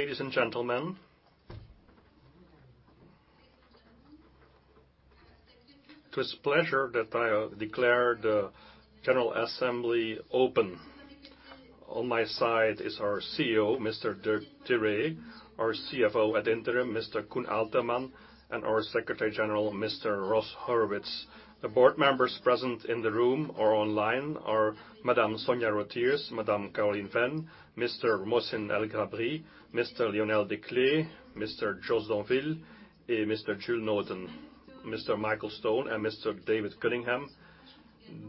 Ladies and gentlemen. It is a pleasure that I declare the general assembly open. On my side is our CEO, Mr. Dirk Tirez, our CFO ad interim, Mr. Koen Aelterman, and our Secretary General, Mr. Ross Hurwitz. The board members present in the room or online are Madam Sonja Rottiers, Madam Caroline F. Ven, Mr. Mohsin Al-Gabri, Mr. Lionel Desclée, Mr. Jos Donvil, Mr. Jules Noten. Mr. Michael Stone and Mr. David Cunningham.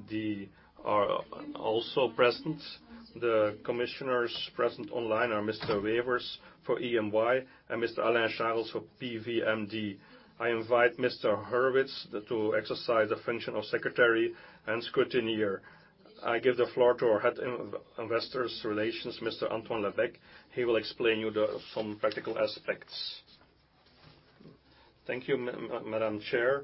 They are also present. The commissioners present online are Mr. Han Wevers for EY and Mr. Alain Chaerels for PwC. I invite Mr. Hurwitz to exercise the function of secretary and scrutineer. I give the floor to our head of investor relations, Mr. Antoine Lebecq. He will explain to you some practical aspects. Thank you, Madam Chair.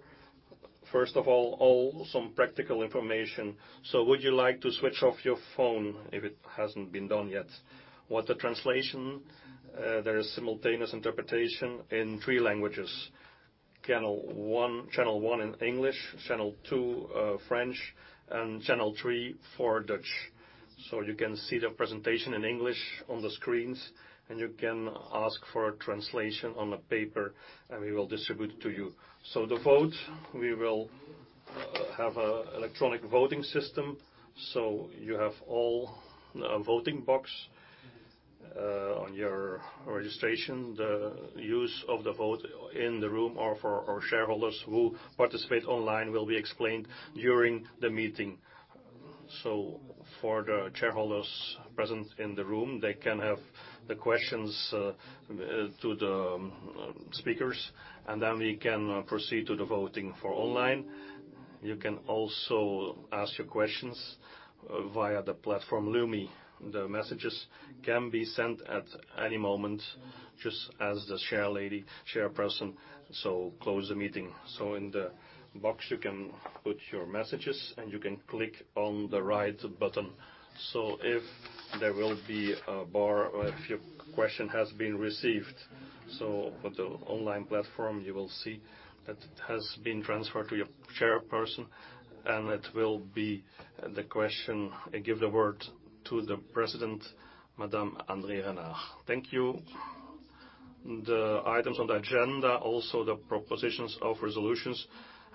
First of all, some practical information. Would you like to switch off your phone if it hasn't been done yet? With the translation, there is simultaneo interpretation in three languages. Channel one in English, channel two, French, and channel three for Dutch. You can see the presentation in English on the screens, and you can ask for a translation on a paper and we will distribute it to you. The vote, we will have an electronic voting system. You all have a voting box on your registration. The use of the vote in the room or for our shareholders who participate online will be explained during the meeting. For the shareholders present in the room, they can have the questions to the speakers, and then we can proceed to the voting for online. You can also ask your questions via the platform Lumi. The messages can be sent at any moment, just as the chair lady, chairperson, so close the meeting. In the box you can put your messages and you can click on the right button. If there will be a bar or if your question has been received. For the online platform, you will see that it has been transferred to your chairperson, and it will be the question. I give the word to the president, Madam Audrey Hanard. Thank you. The items on the agenda, also the propositions of resolutions,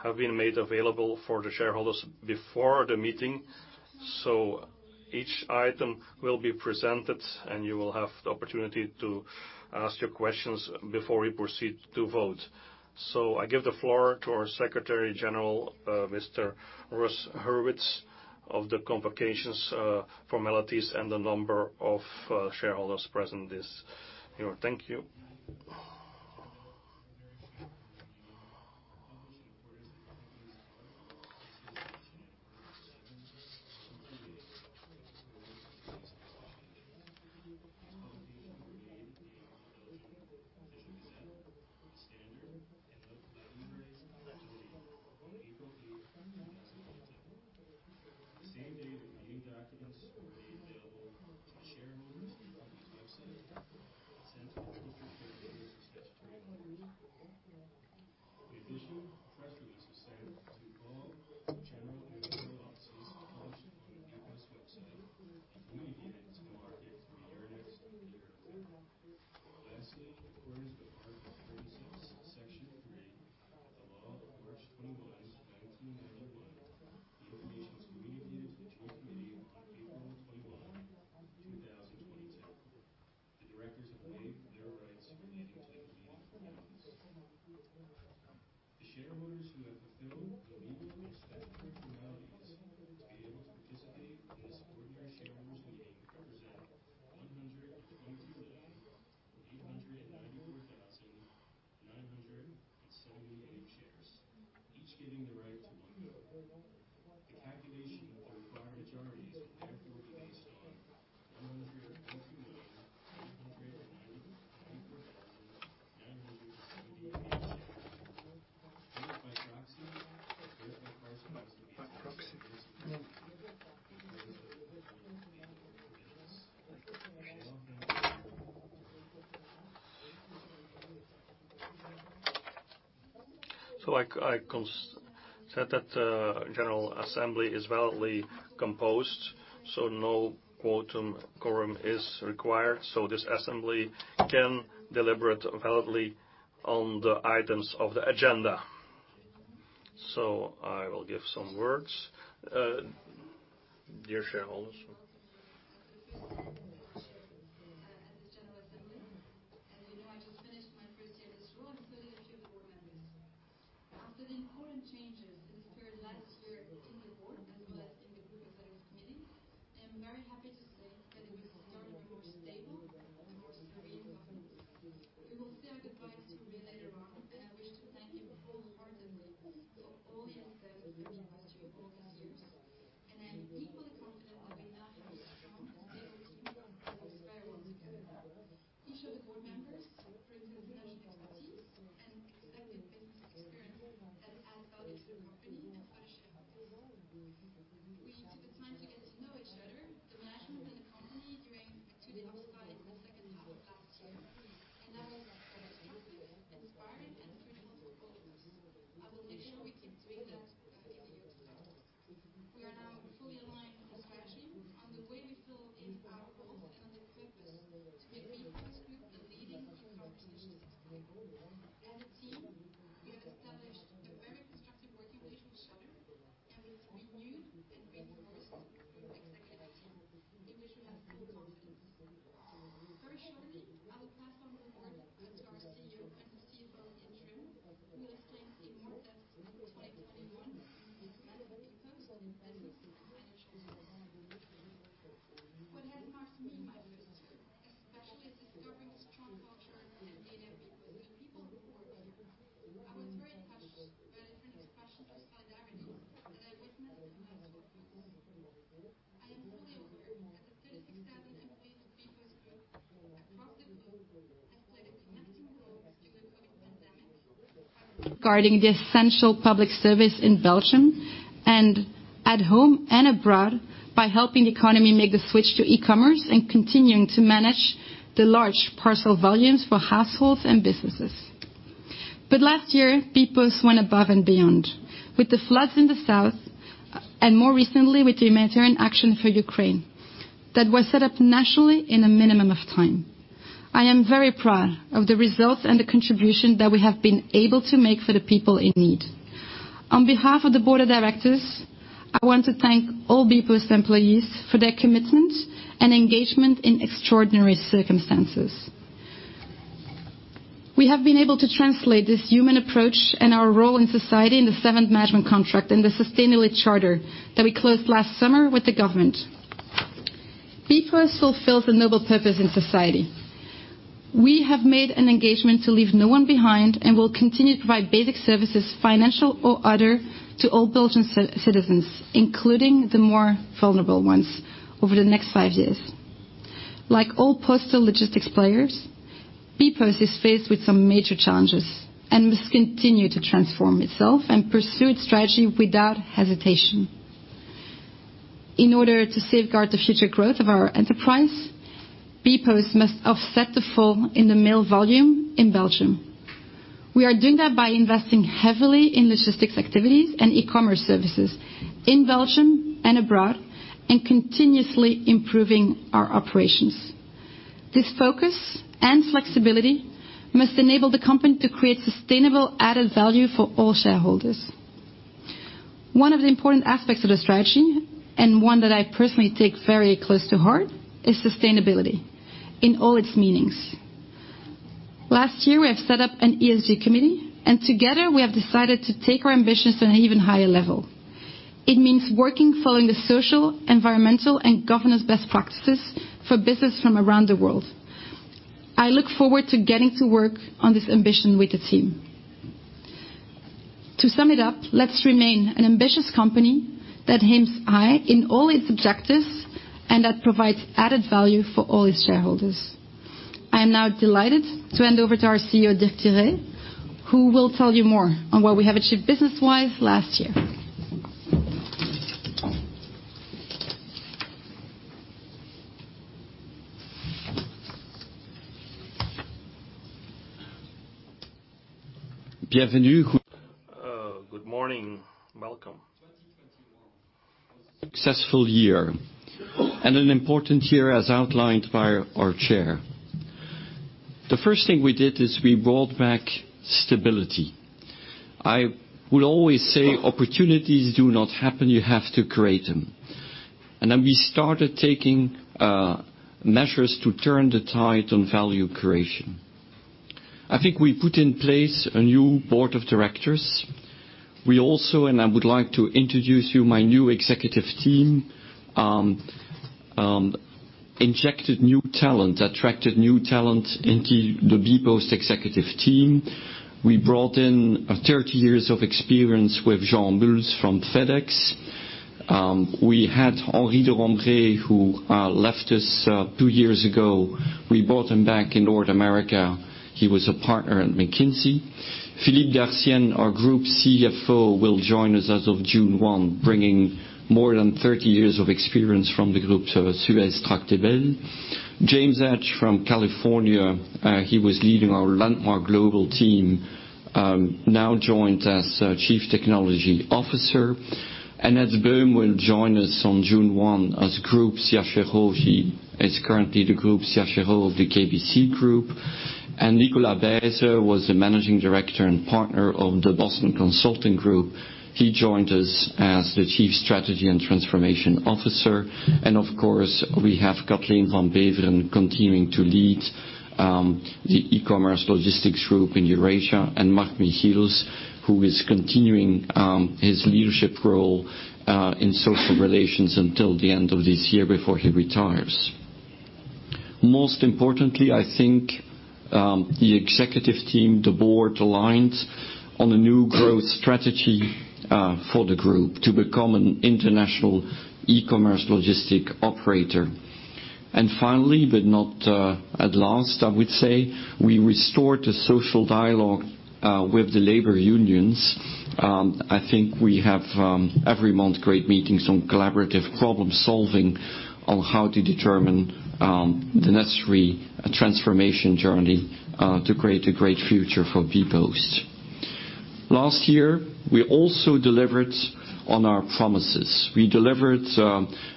have been made available for the shareholders before the meeting. Each item will be presented, and you will have the opportunity to ask your questions before we proceed to vote. I give the floor to our Secretary General, Mr. Ross Hurwitz of the complications, formalities and the number of shareholders present this. Thank you. [In-audible] I concluded that the general assembly is validly composed, so no quorum is required. This assembly can deliberate validly on the items of the agenda. I will give some words. Dear shareholders at the general assembly. As you know, I just finished my first year at this role, including a I am very proud of the results and the contribution that we have been able to make for the people in need. On behalf of the board of directors, I want to thank all bpost employees for their commitment and engagement in extraordinary circumstances. We have been able to translate this human approach and our role in society in the seventh management contract and the sustainability charter that we closed last summer with the government. Bpost fulfills a noble purpose in society. We have made an engagement to leave no one behind and will continue to provide basic services, financial or other, to all Belgian citizens, including the more vulnerable ones, over the next five years. Like all postal logistics players, bpost is faced with some major challenges and must continue to transform itself and pursue its strategy without hesitation. In order to safeguard the future growth of our enterprise, bpost must offset the fall in the mail volume in Belgium. We are doing that by investing heavily in logistics activities and e-commerce services in Belgium and abroad, and continuously improving our operations. This focus and flexibility must enable the company to create sustainable added value for all shareholders. One of the important aspects of the strategy, and one that I personally take very close to heart, is sustainability in all its meanings. Last year, we have set up an ESG committee, and together we have decided to take our ambitions on an even higher level. It means working following the social, environmental, and governance best practices for business from around the world. I look forward to getting to work on this ambition with the team. To sum it up, let's remain an ambitious company that aims high in all its objectives and that provides added value for all its shareholders. I am now delighted to hand over to our CEO, Dirk Tirez, who will tell you more on what we have achieved business-wise last year. Bienvenue. Good morning. Welcome. 2021 was a successful year and an important year as outlined by our chair. The first thing we did is we brought back stability. I will always say opportunities do not happen. You have to create them. We started taking measures to turn the tide on value creation. I think we put in place a new board of directors. We also, I would like to introduce you, my new executive team, injected new talent, attracted new talent into the bpost executive team. We brought in 30 years of experience with Jean-Yves Buelen from FedEx. We had Henri de Romrée, who left us two years ago. We brought him back in North America. He was a partner at McKinsey. Philippe Dartienne, our Group CFO, will join us as of June 1, bringing more than 30 years of experience from the SUEZ-Tractebel Group. James Edge from California, he was leading our Landmark Global team, now joined as Chief Technology Officer. Anette Bühren will join us on June 1 as Group CFO. She is currently the Group CFO of the KBC Group. Nicolas Baise was the Managing Director and Partner of the Boston Consulting Group. He joined us as the Chief Strategy and Transformation Officer. Of course, we have Kathleen Van Beveren continuing to lead the e-commerce logistics group in Eurasia. Mark Michiels, who is continuing his leadership role in social relations until the end of this year before he retires. Most importantly, I think, the executive team, the board aligns on a new growth strategy for the group to become an international e-commerce logistic operator. Finally, but not at last, I would say, we restored the social dialogue with the labor unions. I think we have every month great meetings on collaborative problem-solving on how to determine the necessary transformation journey to create a great future for bpost. Last year, we also delivered on our promises. We delivered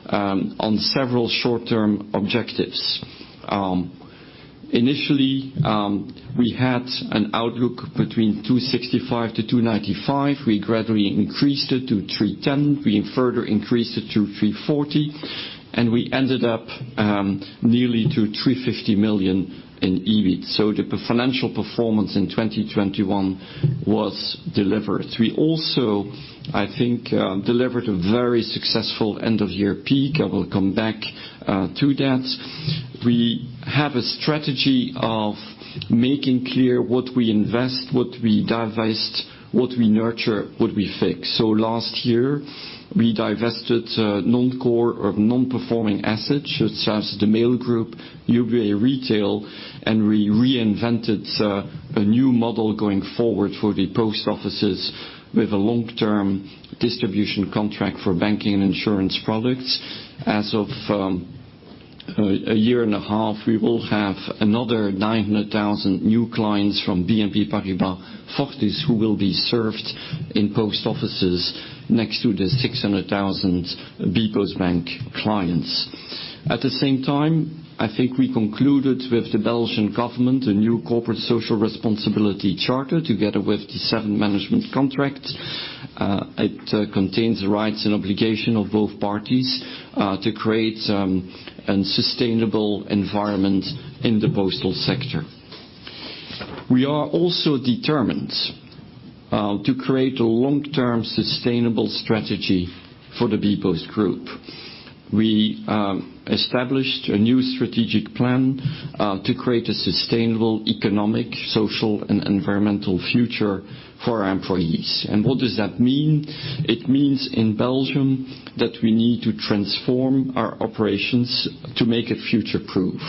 on several short-term objectives. Initially, we had an outlook between 265-295. We gradually increased it to 310. We further increased it to 340, and we ended up nearly to 350 million in EBIT. The financial performance in 2021 was delivered. We also, I think, delivered a very successful end-of-year peak. I will come back to that. We have a strategy of making clear what we invest, what we divest, what we nurture, what we fix. Last year, we divested non-core or non-performing assets, such as The Mail Group, Ubiway Retail, and we reinvented a new model going forward for the post offices with a long-term distribution contract for banking and insurance products. As of a year and a half, we will have another 900,000 new clients from BNP Paribas Fortis, who will be served in post offices next to the 600,000 bpost bank clients. At the same time, I think we concluded with the Belgian government a new corporate social responsibility charter together with the seventh management contract. It contains rights and obligation of both parties to create a sustainable environment in the postal sector. We are also determined to create a long-term sustainable strategy for the bpost group. We established a new strategic plan to create a sustainable economic, social, and environmental future for our employees. What does that mean? It means in Belgium that we need to transform our operations to make it future-proof.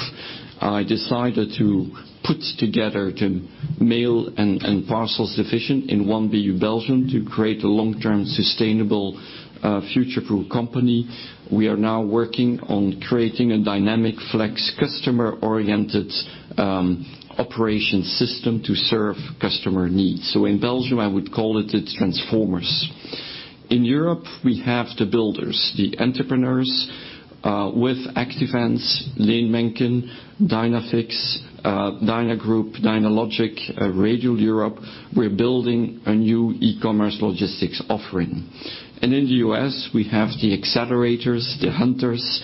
I decided to put together the mail and parcels division in one BU Belgium to create a long-term sustainable future-proof company. We are now working on creating a dynamic flex customer-oriented operation system to serve customer needs. In Belgium, I would call it its transformers. In Europe, we have the builders, the entrepreneurs with Active Ants, Leen Menken, Dynafix, DynaGroup, Dynalogic, Radial Europe. We're building a new e-commerce logistics offering. In the U.S., we have the accelerators, the hunters.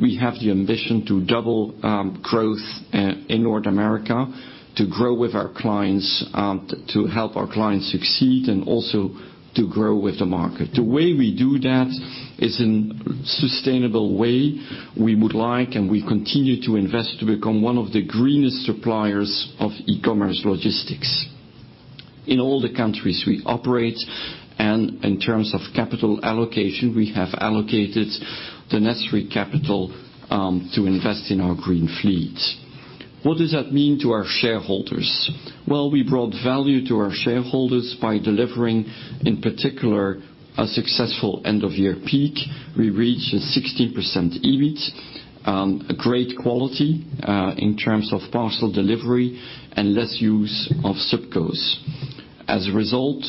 We have the ambition to double growth in North America, to grow with our clients, to help our clients succeed and also to grow with the market. The way we do that is in sustainable way. We would like, and we continue to invest to become one of the greenest suppliers of e-commerce logistics. In all the countries we operate and in terms of capital allocation, we have allocated the necessary capital to invest in our green fleet. What does that mean to our shareholders? Well, we brought value to our shareholders by delivering, in particular, a successful end-of-year peak. We reached a 16% EBIT, a great quality in terms of parcel delivery and less use of Subcos. As a result,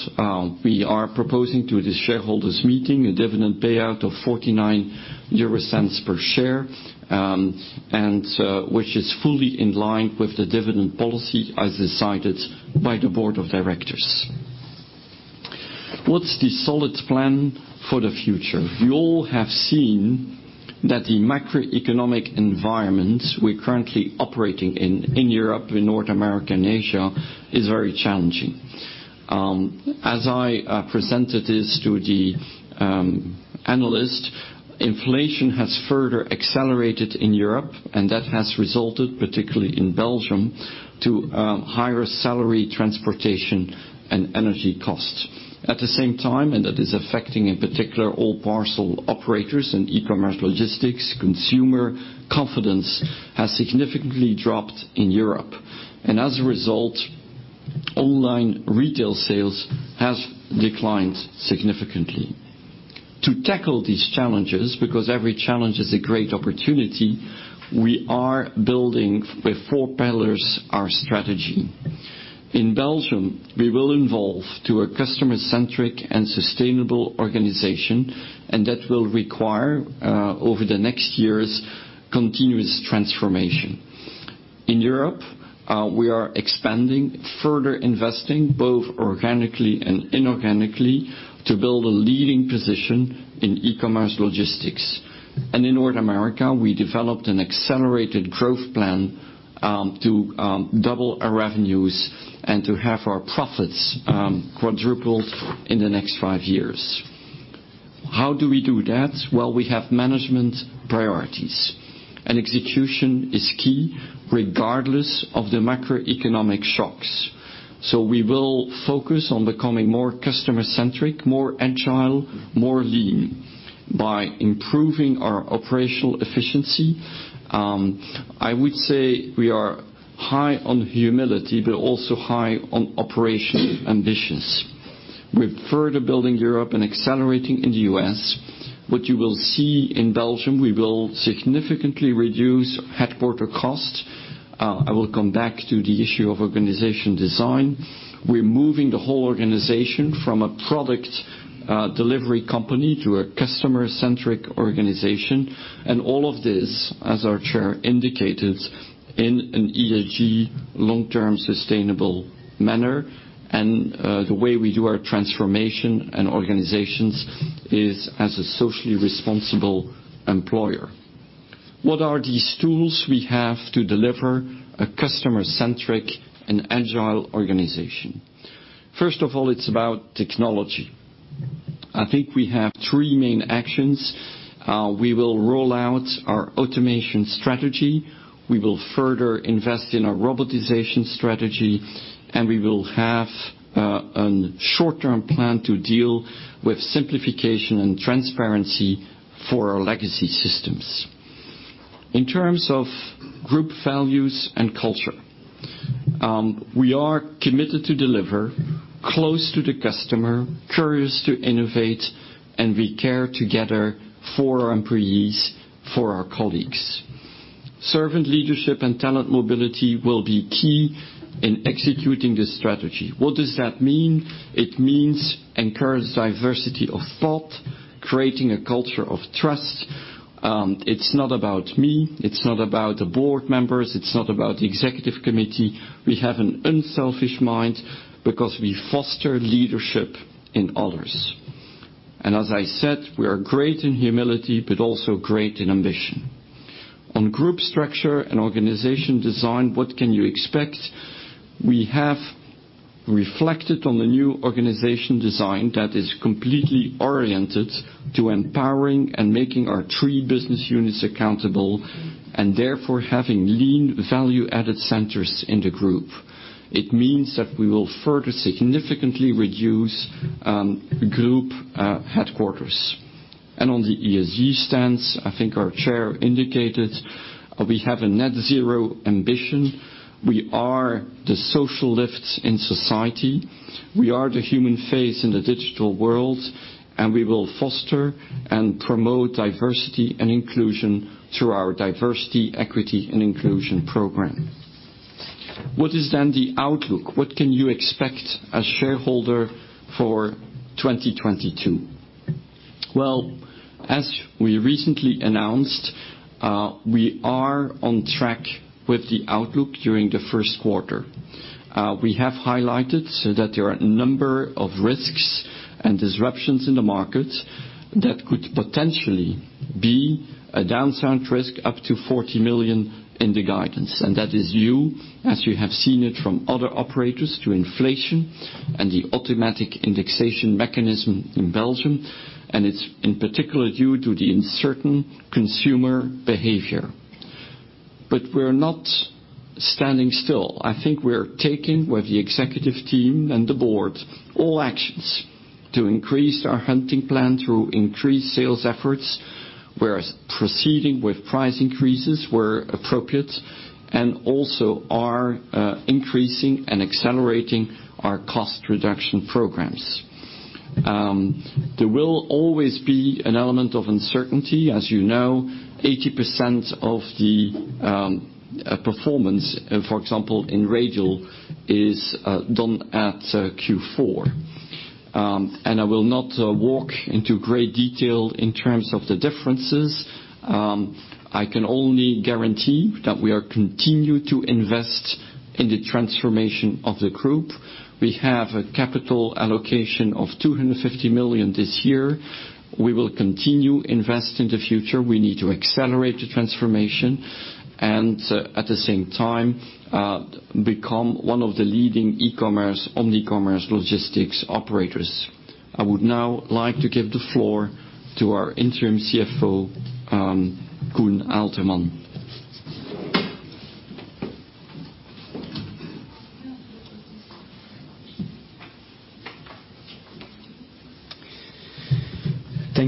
we are proposing to the shareholders meeting a dividend payout of 0.49 per share, and which is fully in line with the dividend policy as decided by the board of directors. What's the solid plan for the future? We all have seen that the macroeconomic environment we're currently operating in Europe, in North America and Asia is very challenging. As I presented this to the analyst, inflation has further accelerated in Europe, and that has resulted, particularly in Belgium, to higher salary, transportation, and energy costs. At the same time, and that is affecting in particular all parcel operators and e-commerce logistics, consumer confidence has significantly dropped in Europe. As a result, online retail sales has declined significantly. To tackle these challenges, because every challenge is a great opportunity, we are building with four pillars our strategy. In Belgium, we will evolve to a customer-centric and sustainable organization, and that will require, over the next years, continuous transformation. In Europe, we are expanding, further investing, both organically and inorganically, to build a leading position in e-commerce logistics. In North America, we developed an accelerated growth plan, to double our revenues and to have our profits quadrupled in the next five years. How do we do that? Well, we have management priorities, and execution is key regardless of the macroeconomic shocks. We will focus on becoming more customer-centric, more agile, more lean by improving our operational efficiency. I would say we are high on humility, but also high on operational ambitions. We're further building Europe and accelerating in the U.S. What you will see in Belgium, we will significantly reduce headquarters costs. I will come back to the issue of organization design. We're moving the whole organization from a product delivery company to a customer-centric organization. All of this, as our chair indicated, in an ESG long-term sustainable manner. The way we do our transformation and organizations is as a socially responsible employer. What are these tools we have to deliver a customer-centric and agile organization? First of all, it's about technology. I think we have three main actions. We will roll out our automation strategy, we will further invest in our robotization strategy, and we will have a short-term plan to deal with simplification and transparency for our legacy systems. In terms of group values and culture, we are committed to deliver close to the customer, curious to innovate, and we care together for our employees, for our colleagues. Servant leadership and talent mobility will be key in executing this strategy. What does that mean? It means encourage diversity of thought, creating a culture of trust. It's not about me, it's not about the board members, it's not about the executive committee. We have an unselfish mind because we foster leadership in others. As I said, we are great in humility, but also great in ambition. On group structure and organization design, what can you expect? We have reflected on the new organization design that is completely oriented to empowering and making our three business units accountable, and therefore having lean value-added centers in the group. It means that we will further significantly reduce group headquarters. On the ESG stance, I think our chair indicated we have a net zero ambition. We are the social lift in society. We are the human face in the digital world, and we will foster and promote diversity and inclusion through our diversity, equity and inclusion program. What is then the outlook? What can you expect as shareholder for 2022? Well, as we recently announced, we are on track with the outlook during the first. We have highlighted that there are a number of risks and disruptions in the market that could potentially be a downside risk up to 40 million in the guidance. That is due, as you have seen it from other operators, to inflation and the automatic indexation mechanism in Belgium, and it's in particular due to the uncertain consumer behavior. We're not standing still. I think we're taking with the executive team and the board all actions to increase our hunting plan through increased sales efforts. We're proceeding with price increases where appropriate, and also are increasing and accelerating our cost reduction programs. There will always be an element of uncertainty. As you know, 80% of the performance, for example, in Radial is done at Q4. I will not walk into great detail in terms of the differences. I can only guarantee that we continue to invest in the transformation of the group. We have a capital allocation of 250 million this year. We will continue invest in the future. We need to accelerate the transformation and, at the same time, become one of the leading e-commerce, omni-commerce logistics operators. I would now like to give the floor to our interim CFO, Koen Aelterman.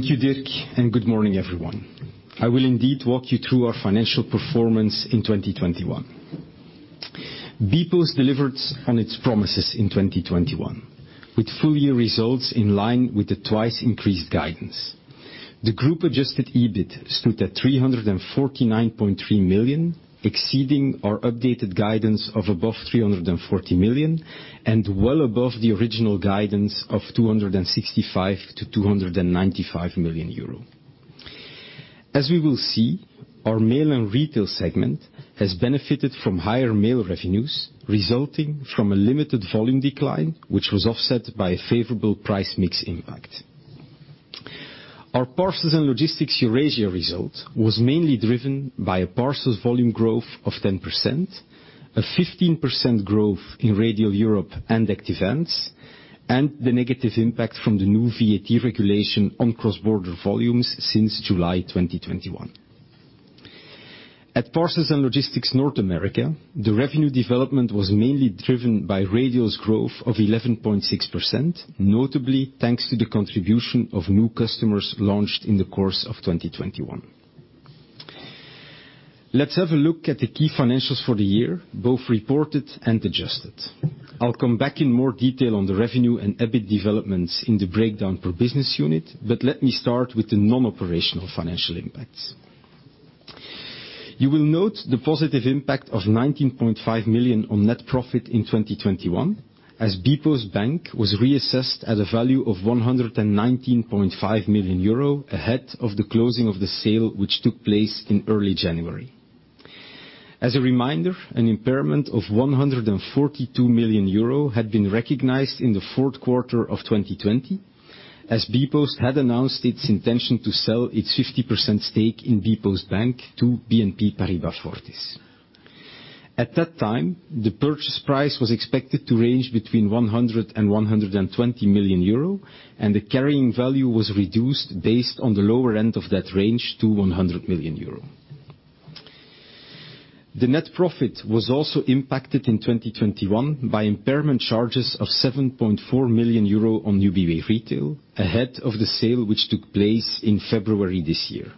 Thank you, Dirk, and good morning, everyone. I will indeed walk you through our financial performance in 2021. bpost delivered on its promises in 2021, with full year results in line with the twice increased guidance. The group-adjusted EBIT stood at 349.3 million, exceeding our updated guidance of above 340 million and well above the original guidance of 265-295 million euro. As we will see, our mail and retail segment has benefited from higher mail revenues, resulting from a limited volume decline, which was offset by a favorable price mix impact. Our parcels and logistics Eurasia result was mainly driven by a parcels volume growth of 10%, a 15% growth in Radial Europe and Active Ants, and the negative impact from the new VAT regulation on cross-border volumes since July 2021. At Parcels and Logistics North America, the revenue development was mainly driven by Radial's growth of 11.6%, notably thanks to the contribution of new customers launched in the course of 2021. Let's have a look at the key financials for the year, both reported and adjusted. I'll come back in more detail on the revenue and EBIT developments in the breakdown per business unit, but let me start with the non-operational financial impacts. You will note the positive impact of 19.5 million on net profit in 2021, as bpost bank was reassessed at a value of 119.5 million euro ahead of the closing of the sale, which took place in early January. As a reminder, an impairment of 142 million euro had been recognized in the Q4 of 2020, as bpost had announced its intention to sell its 50% stake in bpost bank to BNP Paribas Fortis. At that time, the purchase price was expected to range between 100 million euro and 120 million euro, and the carrying value was reduced based on the lower end of that range to 100 million euro. The net profit was also impacted in 2021 by impairment charges of 7.4 million euro on Ubiway Retail ahead of the sale which took place in February this year.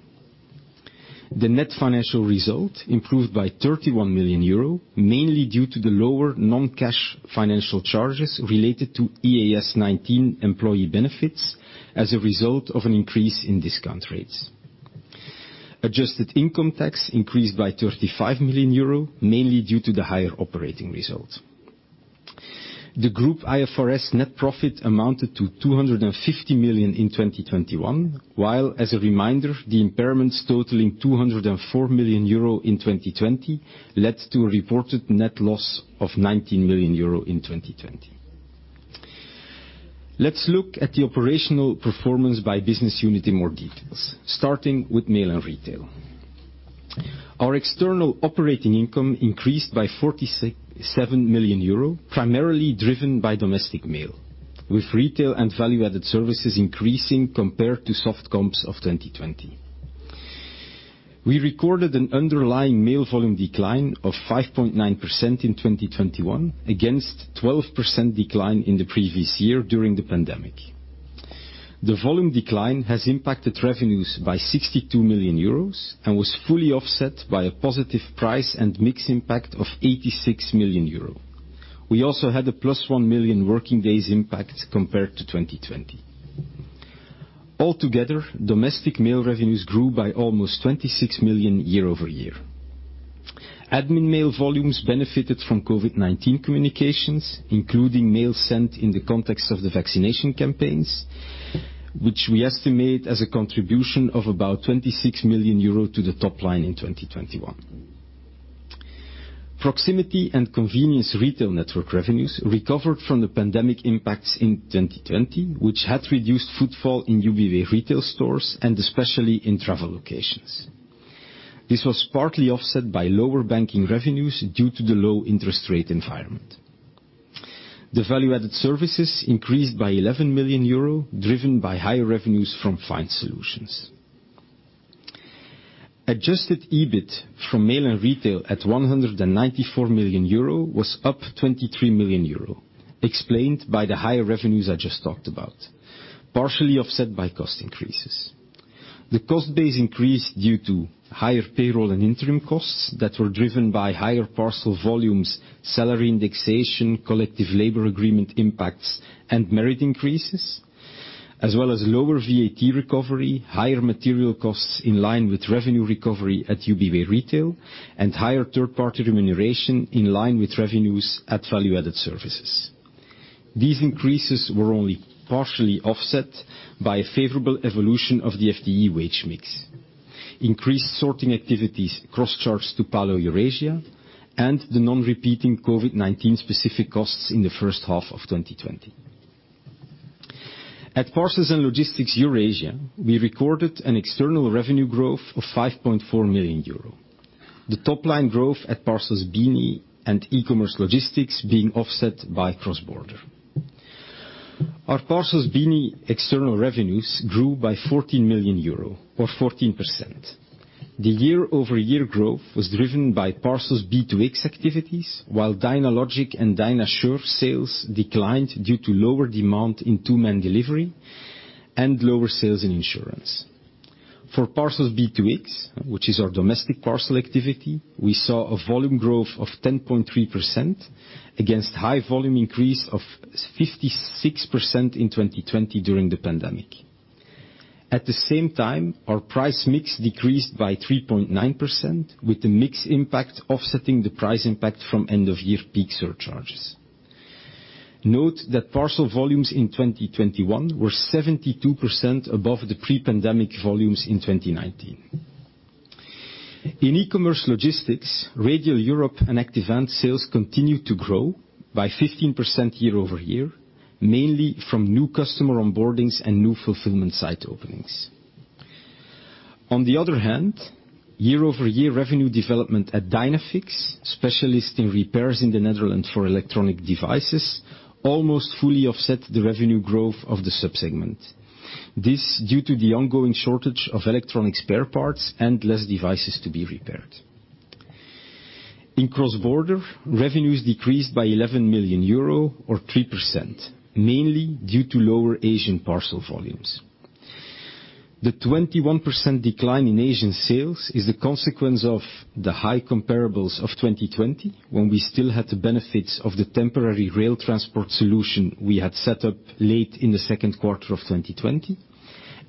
The net financial result improved by 31 million euro, mainly due to the lower non-cash financial charges related to IAS 19 employee benefits as a result of an increase in discount rates. Adjusted income tax increased by 35 million euro, mainly due to the higher operating results. The Group IFRS net profit amounted to 250 million in 2021, while, as a reminder, the impairments totaling 204 million euro in 2020 led to a reported net loss of 19 million euro in 2020. Let's look at the operational performance by business unit in more details, starting with mail and retail. Our external operating income increased by 47 million euro, primarily driven by domestic mail, with retail and value-added services increasing compared to soft comps of 2020. We recorded an underlying mail volume decline of 5.9% in 2021 against 12% decline in the previous year during the pandemic. The volume decline has impacted revenues by 62 million euros and was fully offset by a positive price and mix impact of 86 million euros. We also had a +1 million working days impact compared to 2020. Altogether, domestic mail revenues grew by almost 26 million year-over-year. Admin mail volumes benefited from COVID-19 communications, including mail sent in the context of the vaccination campaigns, which we estimate as a contribution of about 26 million euro to the top line in 2021. Proximity and convenience retail network revenues recovered from the pandemic impacts in 2020, which had reduced footfall in Ubiway Retail stores and especially in travel locations. This was partly offset by lower banking revenues due to the low interest rate environment. The value-added services increased by 11 million euro, driven by higher revenues from Finesolutions. Adjusted EBIT from mail and retail at 194 million euro was up 23 million euro, explained by the higher revenues I just talked about, partially offset by cost increases. The cost base increased due to higher payroll and interim costs that were driven by higher parcel volumes, salary indexation, collective labor agreement impacts, and merit increases, as well as lower VAT recovery, higher material costs in line with revenue recovery at Ubiway Retail, and higher third-party remuneration in line with revenues at value-added services. These increases were only partially offset by a favorable evolution of the FTE wage mix, increased sorting activities cross-charged to E-Logistics Eurasia, and the non-recurring COVID-19 specific costs in the first half of 2020. At Parcels and Logistics Eurasia, we recorded an external revenue growth of 5.4 million euro. The top-line growth at Parcels BeNe and E-commerce Logistics being offset by cross-border. Our Parcels BeNe external revenues grew by 14 million euro or 14%. The year-over-year growth was driven by Parcels B2X activities, while Dynalogic and Dynassure sales declined due to lower demand in two-man delivery and lower sales in insurance. For Parcels B2X, which is our domestic parcel activity, we saw a volume growth of 10.3% against high volume increase of 56% in 2020 during the pandemic. At the same time, our price mix decreased by 3.9%, with the mix impact offsetting the price impact from end of year peak surcharges. Note that parcel volumes in 2021 were 72% above the pre-pandemic volumes in 2019. In e-commerce logistics, Radial Europe and Active Ants sales continued to grow by 15% year-over-year, mainly from new customer onboardings and new fulfillment site openings. On the other hand, year-over-year revenue development at Dynafix, specialist in repairs in the Netherlands for electronic devices, almost fully offset the revenue growth of the sub-segment. This due to the ongoing shortage of electronic spare parts and less devices to be repaired. In cross-border, revenues decreased by 11 million euro or 3%, mainly due to lower Asian parcel volumes. The 21% decline in Asian sales is a consequence of the high comparables of 2020, when we still had the benefits of the temporary rail transport solution we had set up late in the Q2 of 2020,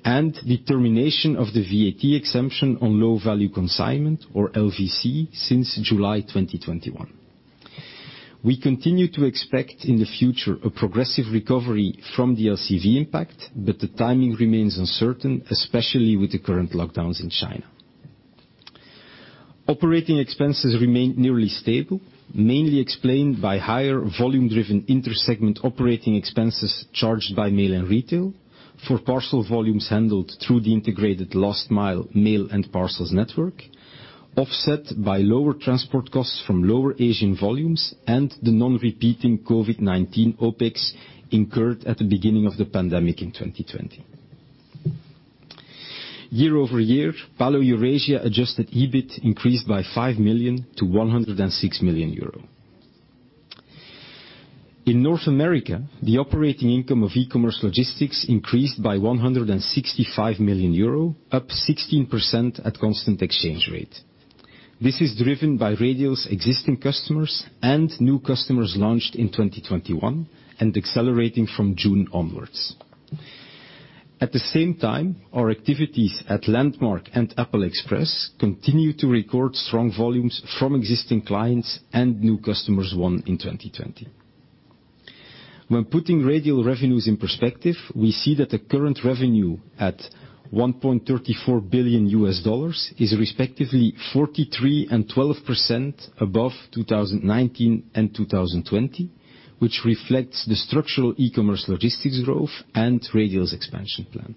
and the termination of the VAT exemption on low-value consignment or LVC since July 2021. We continue to expect in the future a progressive recovery from the LVC impact, but the timing remains uncertain, especially with the current lockdowns in China. Operating expenses remained nearly stable, mainly explained by higher volume-driven inter-segment operating expenses charged by mail and retail for parcel volumes handled through the integrated last mile mail and parcels network, offset by lower transport costs from lower Asian volumes and the non-repeating COVID-19 OpEx incurred at the beginning of the pandemic in 2020. Year-over-year, E-Logistics Eurasia adjusted EBIT increased by 5 million to 106 million euro. In North America, the operating income of e-commerce logistics increased by 165 million euro, up 16% at constant exchange rate. This is driven by Radial's existing customers and new customers launched in 2021 and accelerating from June onwards. At the same time, our activities at Landmark Global and Apple Express continue to record strong volumes from existing clients and new customers won in 2020. When putting Radial revenues in perspective, we see that the current revenue at $1.34 billion is respectively 43% and 12% above 2019 and 2020, which reflects the structural e-commerce logistics growth and Radial's expansion plan.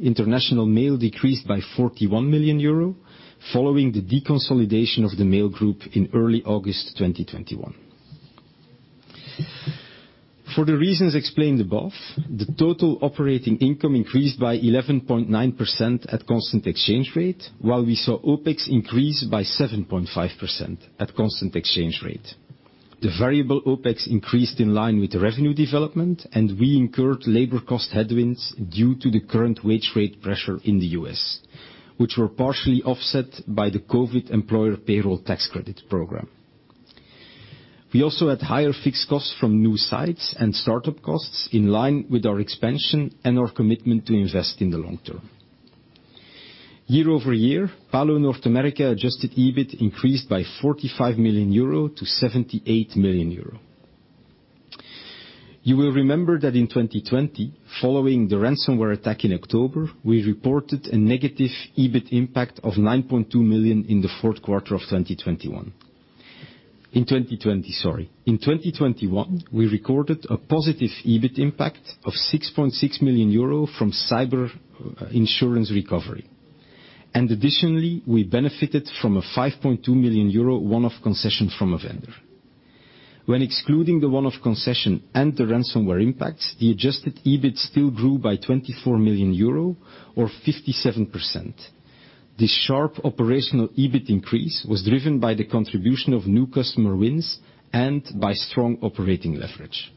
International mail decreased by 41 million euro following the deconsolidation of The Mail Group in early August 2021. For the reasons explained above, the total operating income increased by 11.9% at constant exchange rate, while we saw OpEx increase by 7.5% at constant exchange rate. The variable OpEx increased in line with the revenue development, and we incurred labor cost headwinds due to the current wage rate pressure in the U.S., which were partially offset by the COVID employer payroll tax credit program. We also had higher fixed costs from new sites and start-up costs in line with our expansion and our commitment to invest in the long term. Year-over-year, E-Logistics North America adjusted EBIT increased by 45 million euro to 78 million euro. You will remember that in 2020, following the ransomware attack in October, we reported a negative EBIT impact of 9.2 million in the Q4 of 2020. In 2021, we recorded a positive EBIT impact of 6.6 million euro from cyber insurance recovery. Additionally, we benefited from a 5.2 million euro one-off concession from a vendor. When excluding the one-off concession and the ransomware impacts, the adjusted EBIT still grew by 24 million euro or 57%. This sharp operational EBIT increase was driven by the contribution of new customer wins and by strong operating leverage.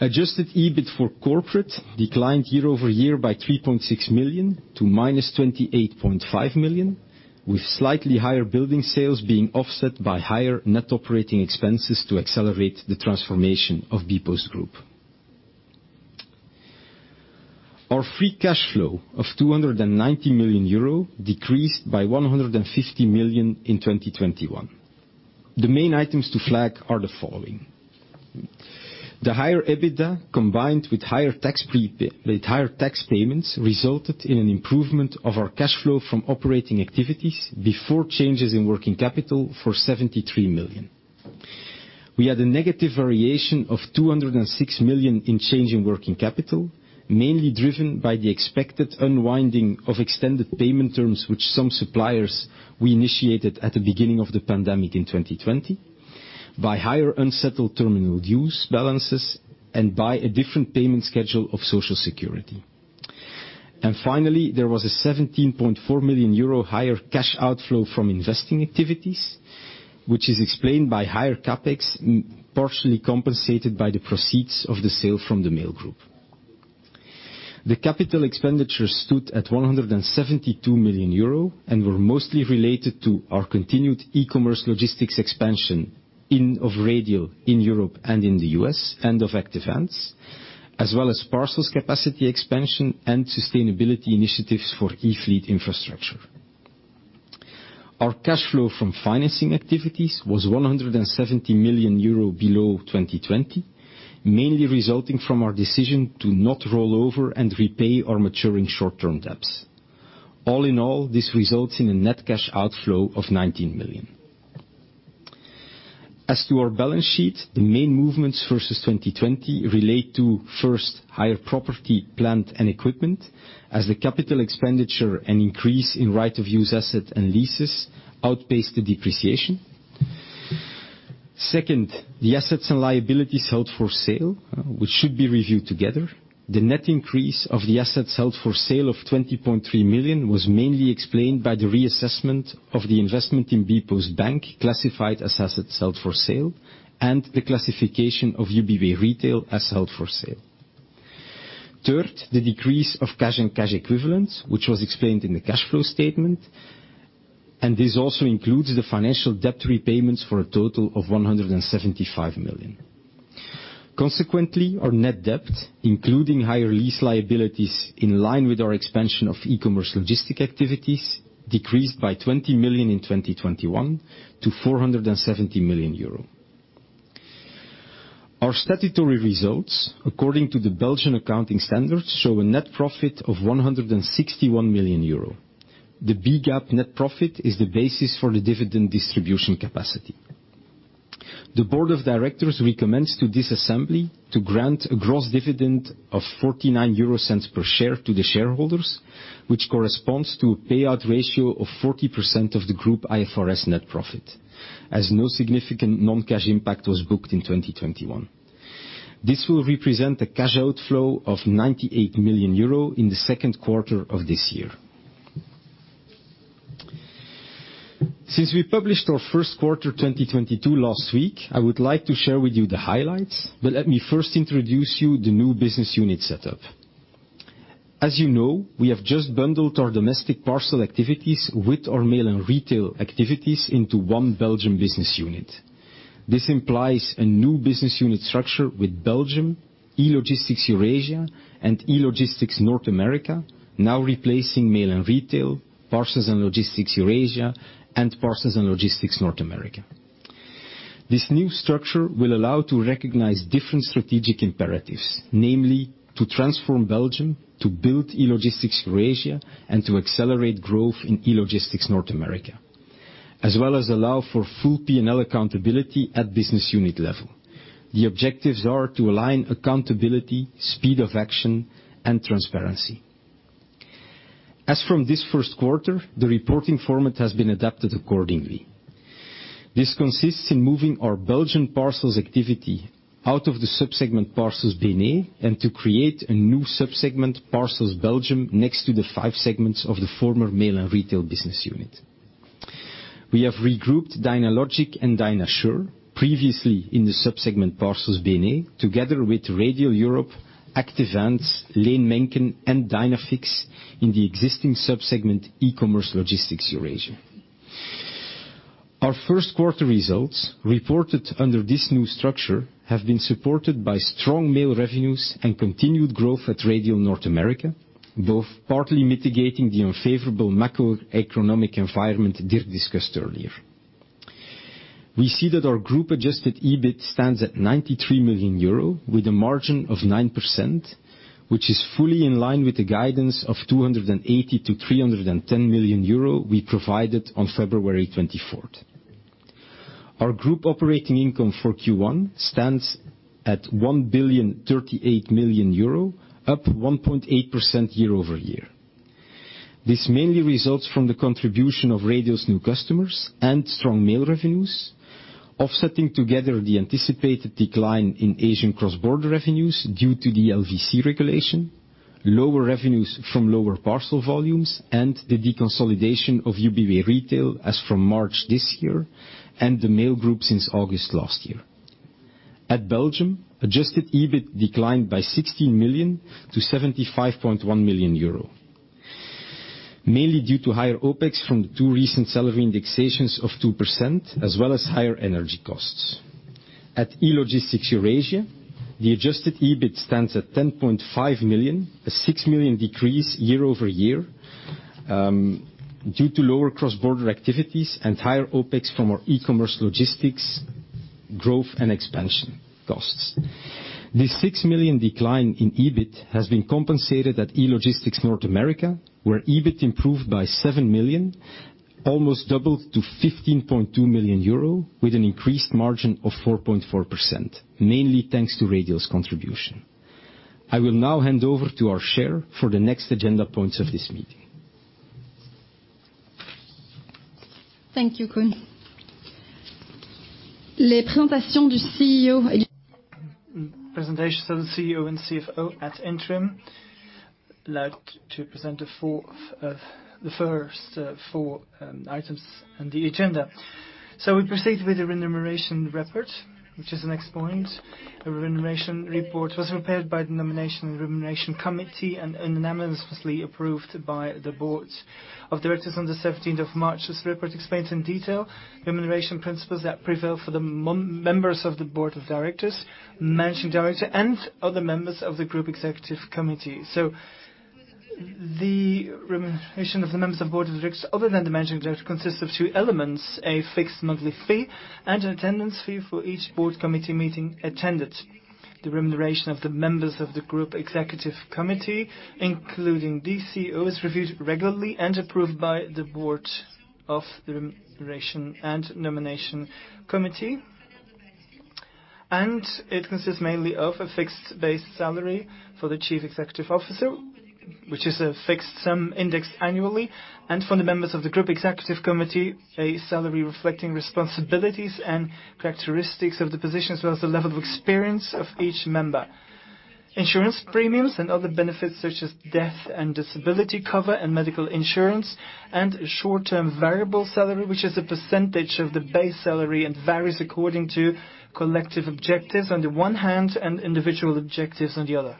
Adjusted EBIT for corporate declined year-over-year by 3.6 million to minus 28.5 million, with slightly higher building sales being offset by higher net operating expenses to accelerate the transformation of bpost group. Our free cash flow of 290 million euro decreased by 150 million in 2021. The main items to flag are the following. The higher EBITDA, combined with higher tax payments, resulted in an improvement of our cash flow from operating activities before changes in working capital for 73 million. We had a negative variation of 206 million in change in working capital, mainly driven by the expected unwinding of extended payment terms, which some suppliers we initiated at the beginning of the pandemic in 2020, by higher unsettled terminal dues balances, and by a different payment schedule of social security. Finally, there was a 17.4 million euro higher cash outflow from investing activities, which is explained by higher CapEx, partially compensated by the proceeds of the sale from the Mail Group. The capital expenditures stood at 172 million euro and were mostly related to our continued e-commerce logistics expansion of Radial in Europe and in the U.S. and of Active Ants, as well as parcels capacity expansion and sustainability initiatives for e-fleet infrastructure. Our cash flow from financing activities was 170 million euro below 2020, mainly resulting from our decision to not roll over and repay our maturing short-term debts. All in all, this results in a net cash outflow of 19 million. As to our balance sheet, the main movements versus 2020 relate to, first, higher property, plant, and equipment, as the capital expenditure and increase in right-of-use assets and leases outpaced the depreciation. Second, the assets and liabilities held for sale, which should be reviewed together. The net increase of the assets held for sale of 20.3 million was mainly explained by the reassessment of the investment in bpost bank, classified as assets held for sale, and the classification of Ubiway Retail as held for sale. Third, the decrease of cash and cash equivalents, which was explained in the cash flow statement. This also includes the financial debt repayments for a total of 175 million. Consequently, our net debt, including higher lease liabilities in line with our expansion of e-commerce logistics activities, decreased by 20 million in 2021 to 470 million euro. Our statutory results, according to the Belgian accounting standards, show a net profit of 161 million euro. The BE GAAP net profit is the basis for the dividend distribution capacity. The board of directors recommends to this assembly to grant a gross dividend of 0.49 per share to the shareholders, which corresponds to a payout ratio of 40% of the group IFRS net profit, as no significant non-cash impact was booked in 2021. This will represent a cash outflow of 98 million euro in the Q2 of this year. Since we published our Q1 2022 last week, I would like to share with you the highlights but let me first introduce you the new business unit setup. As you know, we have just bundled our domestic parcel activities with our mail and retail activities into one Belgium business unit. This implies a new business unit structure with Belgium, E-Logistics Eurasia, and E-Logistics North America, now replacing Mail and Retail, Parcels and Logistics Eurasia, and Parcels and Logistics North America. This new structure will allow to recognize different strategic imperatives, namely, to transform Belgium, to build E-Logistics Eurasia, and to accelerate growth in E-Logistics North America, as well as allow for full P&L accountability at business unit level. The objectives are to align accountability, speed of action, and transparency. As from this Q1, the reporting format has been adapted accordingly. This consists in moving our Belgian parcels activity out of the sub-segment Parcels BeNe, and to create a new sub-segment, Parcels Belgium, next to the five segments of the former Mail and Retail business unit. We have regrouped Dynalogic and Dynasure, previously in the sub-segment Parcels BeNe, together with Radial Europe, Active Ants, Leen Menken, and Dynafix in the existing sub-segment, E-Logistics Eurasia. Our Q1 results, reported under this new structure, have been supported by strong mail revenues and continued growth at Radial North America, both partly mitigating the unfavorable macroeconomic environment Dirk discussed earlier. We see that our group-adjusted EBIT stands at 93 million euro, with a margin of 9%, which is fully in line with the guidance of 280 million-310 million euro we provided on February 24. Our group operating income for Q1 stands at 1,038 million euro, up 1.8% year-over-year. This mainly results from the contribution of Radial's new customers and strong mail revenues, offsetting together the anticipated decline in Asian cross-border revenues due to the LVC regulation, lower revenues from lower parcel volumes, and the deconsolidation of Ubiway Retail as from March this year, and The Mail Group since August last year. In Belgium, adjusted EBIT declined by 16 million to 75.1 million euro, mainly due to higher OpEx from the two recent salary indexations of 2%, as well as higher energy costs. At E-Logistics Eurasia, the adjusted EBIT stands at 10.5 million, a 6 million decrease year-over-year, due to lower cross-border activities and higher OpEx from our e-commerce logistics growth and expansion costs. This 6 million decline in EBIT has been compensated at E-Logistics North America, where EBIT improved by 7 million, almost doubled to 15.2 million euro, with an increased margin of 4.4%, mainly thanks to Radial's contribution. I will now hand over to our Chair for the next agenda points of this meeting. Thank you, Koen. Presentation from CEO and CFO at interim allowed to present the 4 items on the agenda. We proceed with the remuneration report, which is the next point. The remuneration report was prepared by the Nomination and Remuneration Committee and unanimously approved by the Board of Directors on the 17th of March. This report explains in detail the remuneration principles that prevail for the members of the Board of Directors, Managing Director and other members of the Group Executive Committee. The remuneration of the members of Board of Directors, other than the Managing Director, consists of two elements, a fixed monthly fee and an attendance fee for each board committee meeting attended. The remuneration of the members of the Group Executive Committee, including the CEO, is reviewed regularly and approved by the Nomination and Remuneration Committee. It consists mainly of a fixed base salary for the chief executive officer, which is a fixed sum indexed annually. For the members of the group executive committee, a salary reflecting responsibilities and characteristics of the position, as well as the level of experience of each member. Insurance premiums and other benefits, such as death and disability cover and medical insurance and short-term variable salary, which is a percentage of the base salary and varies according to collective objectives on the one hand and individual objectives on the other.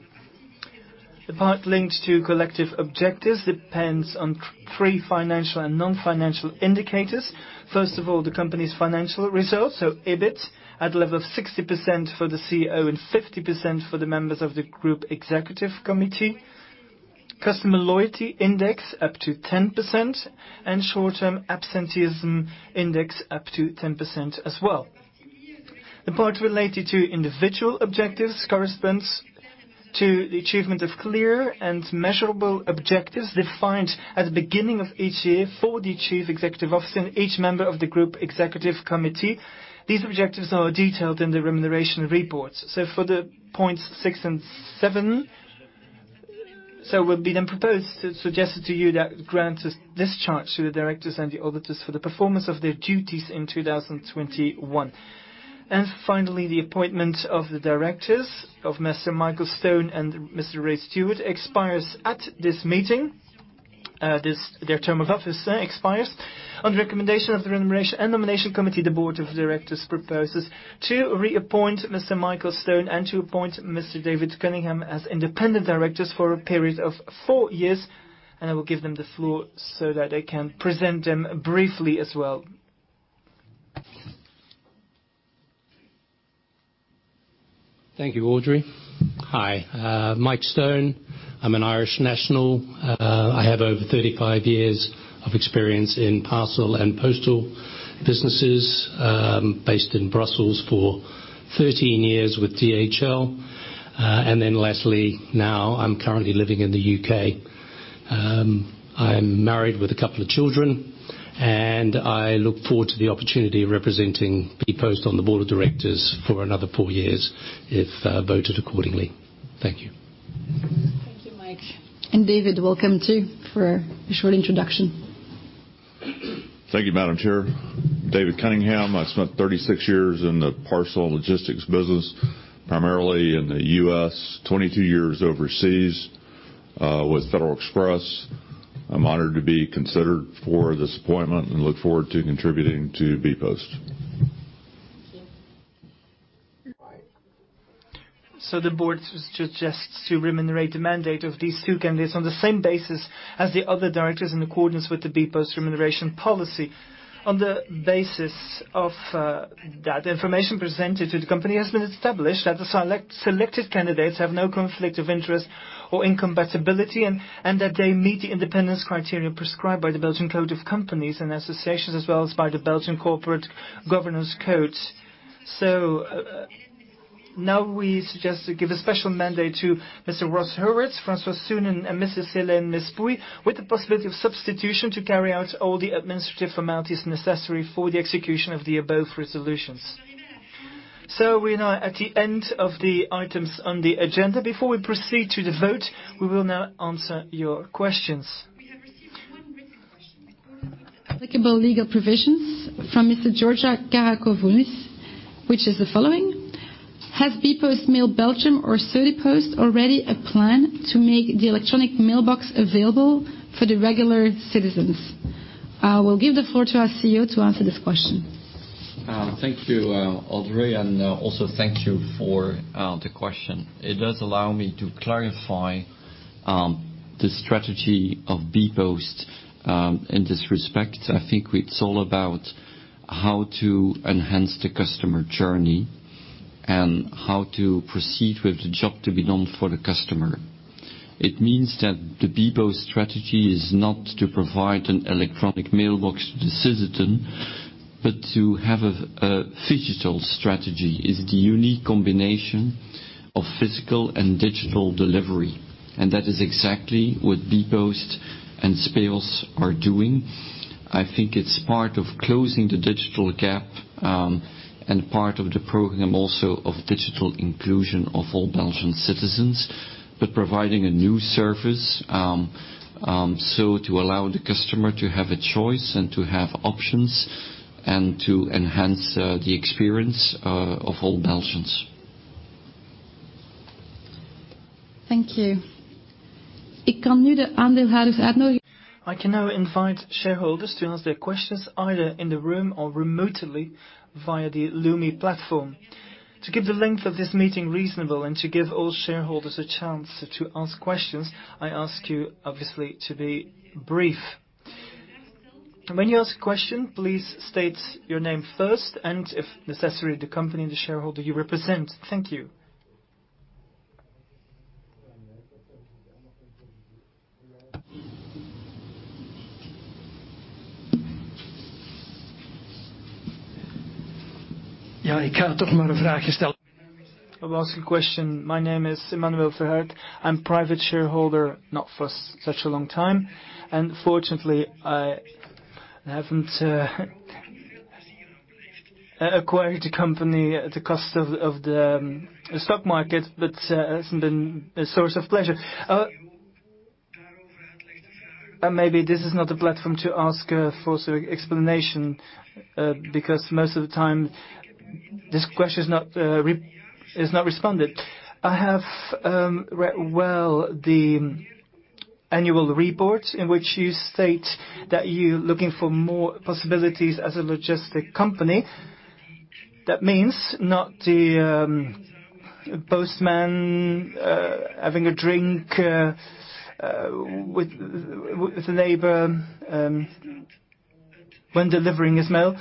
The part linked to collective objectives depends on three financial and non-financial indicators. First of all, the company's financial results, EBIT at a level of 60% for the CEO and 50% for the members of the Group Executive Committee. Customer loyalty index up to 10%, and short-term absenteeism index up to 10% as well. The part related to individual objectives corresponds to the achievement of clear and measurable objectives defined at the beginning of each year for the chief executive officer and each member of the Group Executive Committee. These objectives are detailed in the remuneration report. For the points 6 and 7, it will be then proposed, suggested to you to grant discharge to the directors and the auditors for the performance of their duties in 2021. Finally, the appointment of the directors of Mr. Michael Stone and Mr. Ray Stewart expires at this meeting. Their term of office expires. On the recommendation of the remuneration and nomination committee, the Board of Directors proposes to reappoint Mr. Michael Stone and to appoint Mr. David Cunningham as independent directors for a period of four years, and I will give them the floor so that they can present them briefly as well. Thank you, Audrey. Hi, Michael Stone. I'm an Irish national. I have over 35 years of experience in parcel and postal businesses. Based in Brussels for 13 years with DHL. Lastly, now I'm currently living in the UK. I'm married with a couple of children, and I look forward to the opportunity of representing bpost on the board of directors for another fouryears if voted accordingly. Thank you. Thank you, Mike. David, welcome too for a short introduction. Thank you, Madam Chair. David Cunningham. I spent 36 years in the parcel logistics business, primarily in the U.S., 22 years overseas with Federal Express. I'm honored to be considered for this appointment and look forward to contributing to bpost. Thank you. The board suggests to remunerate the mandate of these two candidates on the same basis as the other directors in accordance with the bpost remuneration policy. On the basis of that information presented to the company, it has been established that the selected candidates have no conflict of interest or incompatibility, and that they meet the independence criteria prescribed by the Belgian Code of Companies and Associations, as well as by the Belgian Corporate Governance Code. Now we suggest to give a special mandate to Mr. Ross Hurwitz, François Soenen, and Mrs. Hélène Lespouille, with the possibility of substitution to carry out all the administrative formalities necessary for the execution of the above resolutions. We're now at the end of the items on the agenda. Before we proceed to the vote, we will now answer your questions. Applicable legal provisions from Mr. Georges Karakoutis, which is the following: Has bpost Mail Belgium or SoGePost already a plan to make the electronic mailbox available for the regular citizens? We'll give the floor to our CEO to answer this question. Thank you, Audrey, and also thank you for the question. It does allow me to clarify the strategy of bpost in this respect. I think it's all about how to enhance the customer journey and how to proceed with the job to be done for the customer. It means that the bpost strategy is not to provide an electronic mailbox to the citizen, but to have a physical strategy. It's the unique combination of physical and digital delivery, and that is exactly what bpost and Speos are doing. I think it's part of closing the digital gap, and part of the program also of digital inclusion of all Belgian citizens, but providing a new service, so to allow the customer to have a choice and to have options and to enhance the experience of all Belgians. Thank you. I can now invite shareholders to ask their questions either in the room or remotely via the Lumi platform. To keep the length of this meeting reasonable and to give all shareholders a chance to ask questions, I ask you obviously to be brief. When you ask a question, please state your name first and if necessary, the company and the shareholder you represent. Thank you. I'll ask a question. My name is Emmanuel Verhaert. I'm private shareholder, not for such a long time. Fortunately, I I haven't acquired the company at the cost of the stock market, but it hasn't been a source of pleasure. Maybe this is not the platform to ask for some explanation, because most of the time this question is not responded. I have read well the annual report in which you state that you're looking for more possibilities as a logistic company. That means not the postman having a drink with the neighbor when delivering his mail.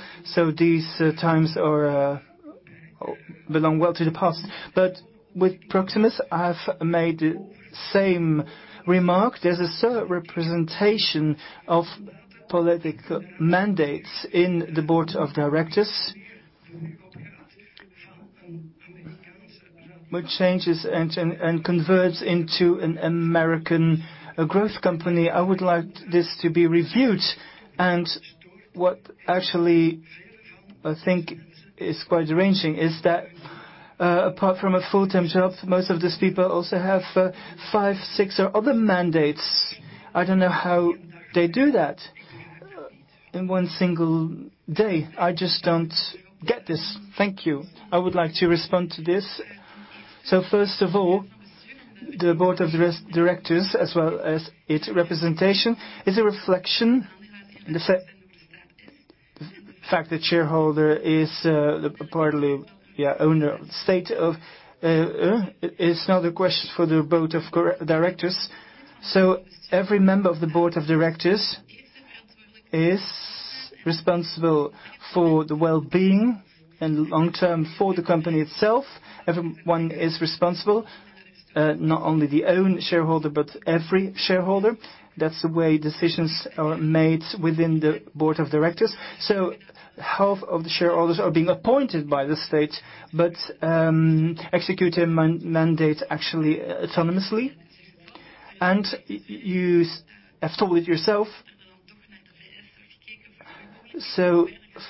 These times are belong well to the past. With Proximus, I have made the same remark. There's a certain representation of political mandates in the board of directors. Which changes and converts into an American growth company. I would like this to be reviewed. What actually I think is quite arranging is that, apart from a full-time job, most of these people also have 5, 6, or other mandates. I don't know how they do that in one single day. I just don't get this. Thank you. I would like to respond to this. First of all, the board of directors, as well as its representation, is a reflection. The fact the shareholder is partly, yeah, owner of the state of, it's not a question for the board of directors. Every member of the board of directors is responsible for the well-being and long-term for the company itself. Everyone is responsible, not only the own shareholder, but every shareholder. That's the way decisions are made within the board of directors. Half of the shareholders are being appointed by the state, but execute a management mandate actually autonomously. You have told it yourself.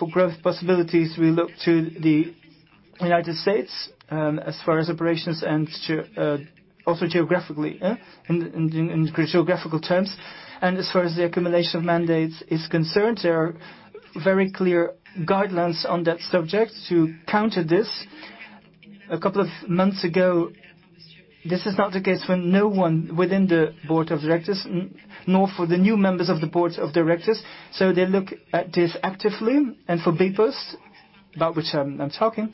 For growth possibilities, we look to the United States, as far as operations and to also geographically, in geographical terms. As far as the accumulation of mandates is concerned, there are very clear guidelines on that subject to counter this. A couple of months ago, this is not the case for no one within the board of directors nor for the new members of the board of directors. They look at this actively. For bpost, about which I'm talking,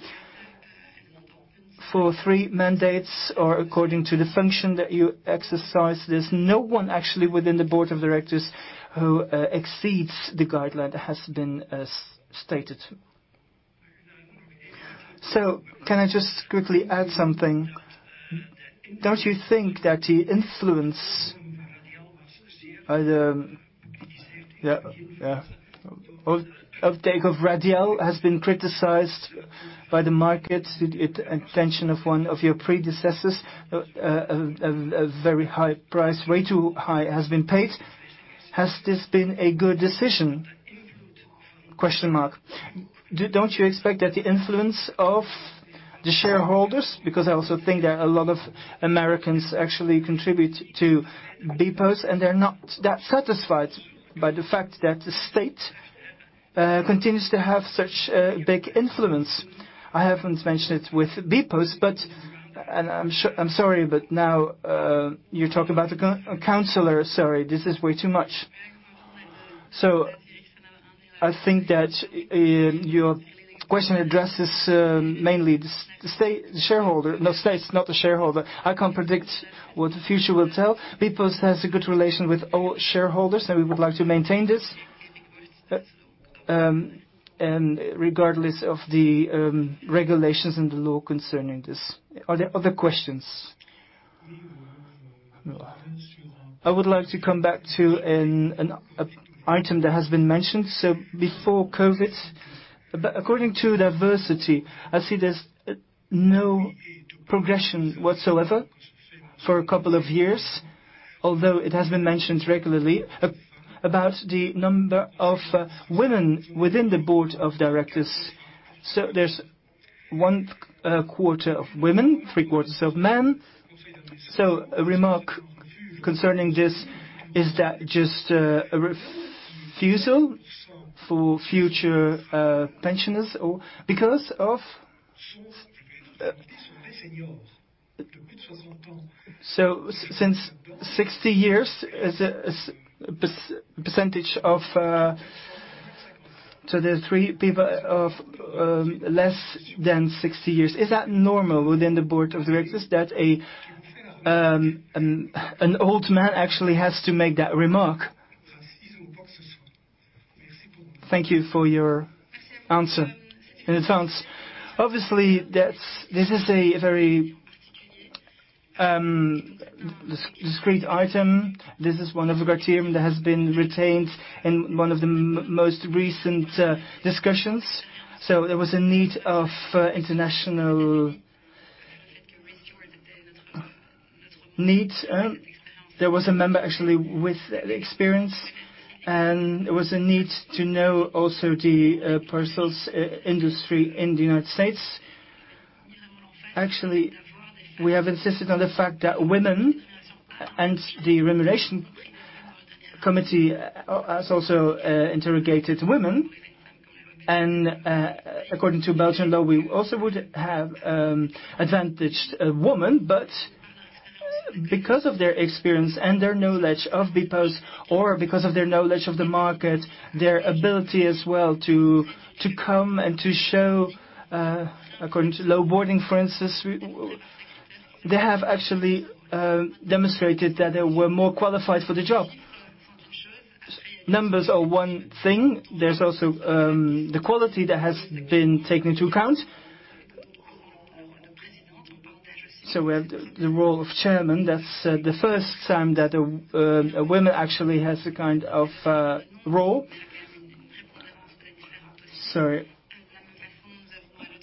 for three mandates or according to the function that you exercise, there's no one actually within the board of directors who exceeds the guideline that has been stated. Can I just quickly add something? Don't you think that the influence by the uptake of Radial has been criticized by the market, intention of one of your predecessors, a very high price, way too high has been paid. Has this been a good decision? Don't you expect that the influence of the shareholders, because I also think that a lot of Americans actually contribute to bpost, and they're not that satisfied by the fact that the state continues to have such a big influence. I haven't mentioned it with bpost, but I'm sorry, but now you talk about a counselor. Sorry, this is way too much. I think that your question addresses mainly the state shareholder. No state, it's not the shareholder. I can't predict what the future will tell. bpost has a good relation with all shareholders, and we would like to maintain this. Regardless of the regulations and the law concerning this. Are there other questions? I would like to come back to an item that has been mentioned. Before COVID, according to diversity, I see there's no progression whatsoever for a couple of years, although it has been mentioned regularly about the number of women within the board of directors. There's one quarter of women, three-quarters of men. A remark concerning this, is that just a refusal for future pensioners or because of since 60 years is a percentage of. There's three people of less than 60 years. Is that normal within the board of directors that an old man actually has to make that remark? Thank you for your answer in advance. Obviously, this is a very discrete item. This is one of a criterion that has been retained in one of the most recent discussions. There was a need of international need, there was a member actually with experience, and there was a need to know also the parcels industry in the United States. Actually, we have insisted on the fact that women and the Remuneration Committee has also interviewed women, and according to Belgian law, we also would have advantaged a woman. Because of their experience and their knowledge of bpost or because of their knowledge of the market, their ability as well to come and to show according to the law, for instance, they have actually demonstrated that they were more qualified for the job. Numbers are one thing. There's also the quality that has been taken into account. We have the role of chairman. That's the first time that a woman actually has a kind of role. Sorry.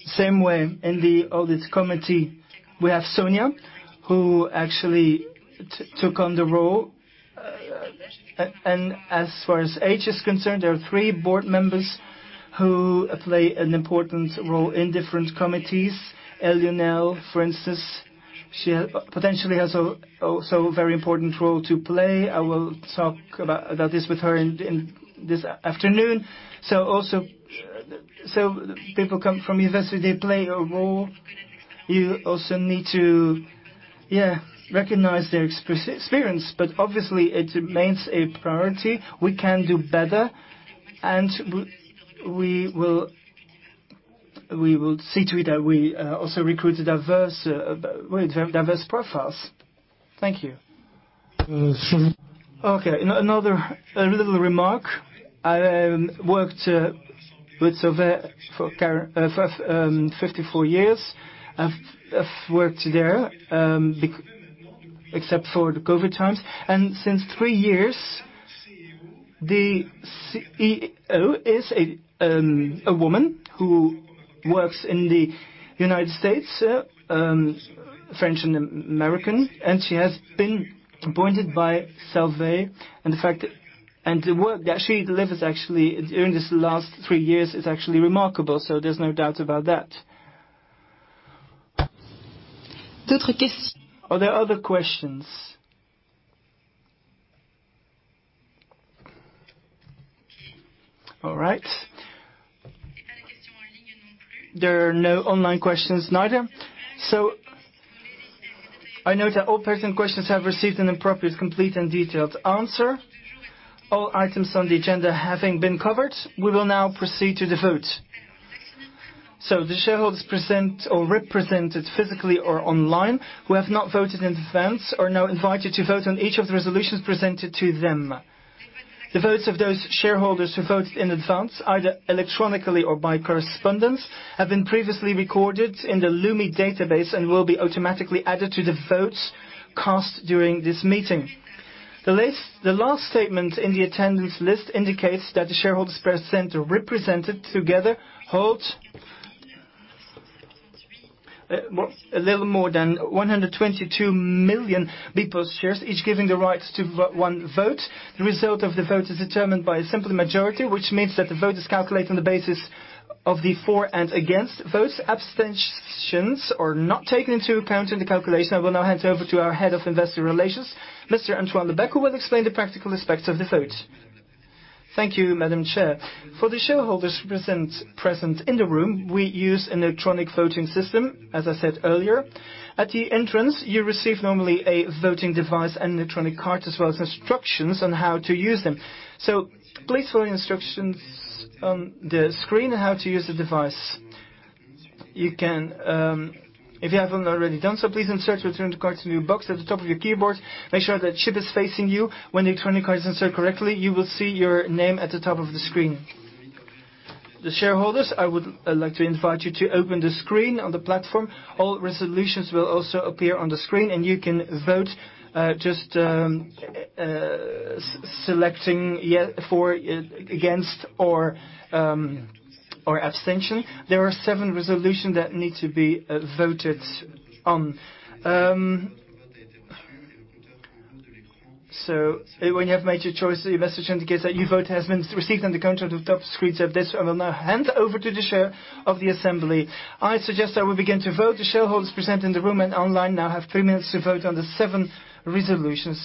Same way in the audit committee, we have Sonja, who actually took on the role. As far as age is concerned, there are three board members who play an important role in different committees. Lionel, for instance, she potentially has such a very important role to play. I will talk about this with her this afternoon. People come from university; they play a role. You also need to recognize their experience, but obviously it remains a priority. We can do better, and we will see to it that we also recruit diverse profiles. Thank you. Okay. Another little remark. I worked with SUEZ for 54 years. I've worked there except for the COVID times, and since three years, the CEO is a woman who works in the United States, French and American, and she has been appointed by SUEZ. The work that she delivers actually during this last three years is actually remarkable. There's no doubt about that. Are there other questions? All right. There are no online questions neither. I note that all personal questions have received an appropriate, complete, and detailed answer. All items on the agenda having been covered, we will now proceed to the vote. The shareholders present or represented physically or online who have not voted in advance are now invited to vote on each of the resolutions presented to them. The votes of those shareholders who voted in advance, either electronically or by correspondence, have been previously recorded in the Lumi database and will be automatically added to the votes cast during this meeting. The last statement in the attendance list indicates that the shareholders present or represented together hold a little more than 122 million bpost shares, each giving the right to one vote. The result of the vote is determined by a simple majority, which means that the vote is calculated on the basis of the for and against votes. Abstentions are not taken into account in the calculation. I will now hand over to our Head of Investor Relations, Mr. Antoine Lebecq, who will explain the practical aspects of the vote. Thank you, Madam Chair. For the shareholders present in the room, we use an electronic voting system, as I said earlier. At the entrance, you receive normally a voting device and electronic card, as well as instructions on how to use them. Please follow the instructions on the screen, how to use the device. You can. If you haven't already done so, please insert your return card to your box at the top of your keyboard. Make sure that chip is facing you. When the electronic card is inserted correctly, you will see your name at the top of the screen. The shareholders, I would like to invite you to open the screen on the platform. All resolutions will also appear on the screen, and you can vote just selecting for, against, or abstention. There are seven resolutions that need to be voted on. When you have made your choice, a message indicates that your vote has been received and accounted for on the top of this screen. I will now hand over to the Chair of the assembly. I suggest that we begin to vote. The shareholders present in the room and online now have three minutes to vote on the seven resolutions.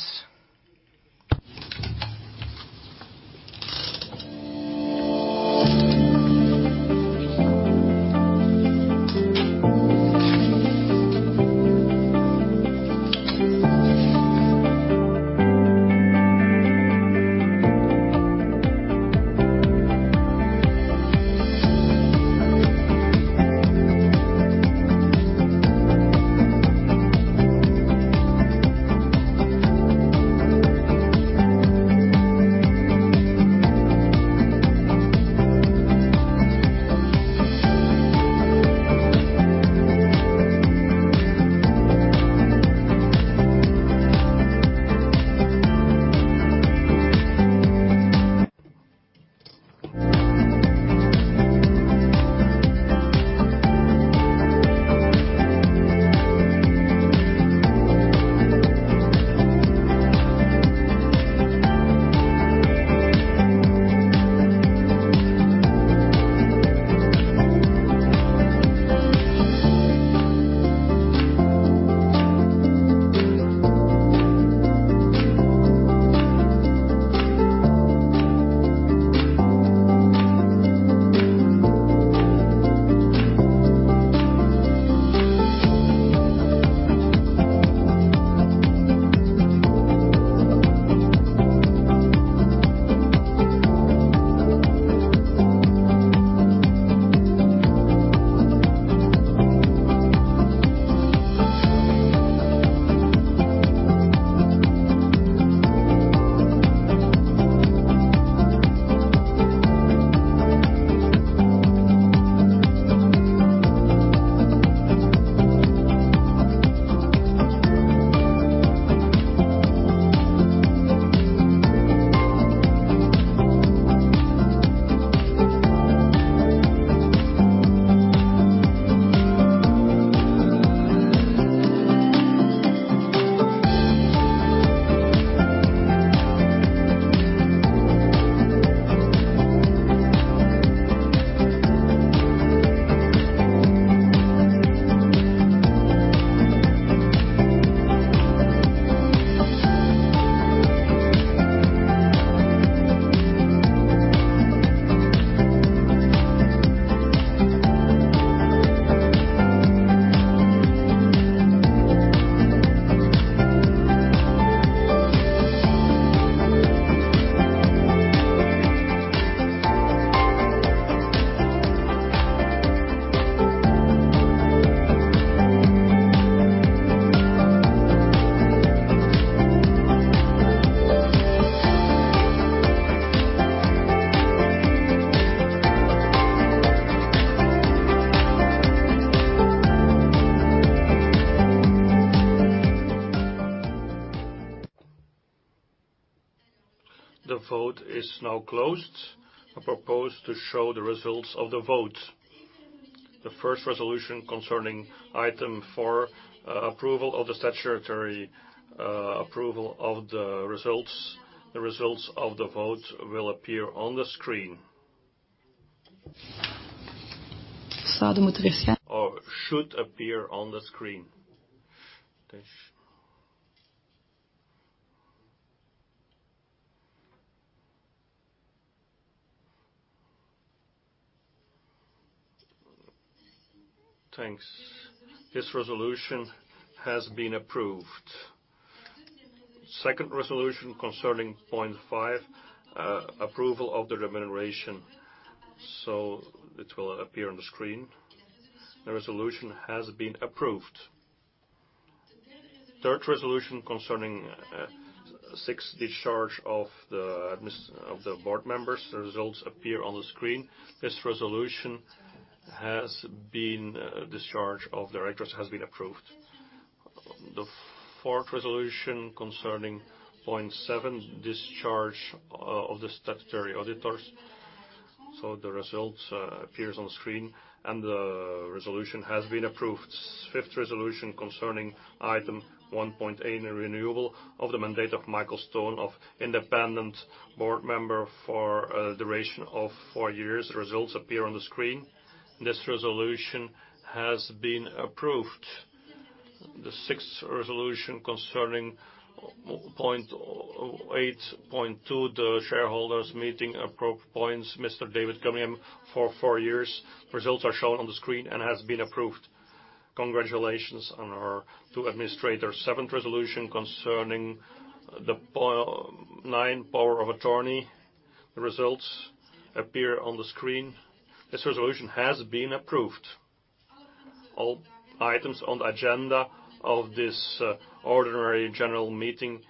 The vote is now closed. I propose to show the results of the vote. The first resolution concerning item four, approval of the statutory results. The results of the vote will appear on the screen. Or should appear on the screen. Thanks. This resolution has been approved. Second resolution concerning point five, approval of the remuneration. It will appear on the screen. The resolution has been approved. Third resolution concerning six, discharge of the board members. The results appear on the screen. This resolution has been approved. Discharge of directors has been approved. The fourth resolution concerning point seven, discharge of the statutory auditors. The results appear on screen, and the resolution has been approved. Fifth resolution concerning item 1.8, a renewal of the mandate of Michael Stone as independent board member for a duration of four years. Results appear on the screen, and this resolution has been approved. The sixth resolution concerning point 8.2, the shareholders' meeting approves the appointment of Mr. David Cunningham for four years. Results are shown on the screen and has been approved. Congratulations on our two administrators. Seventh resolution concerning point 9, power of attorney. The results appear on the screen. This resolution has been approved. All items on the agenda of this ordinary general meeting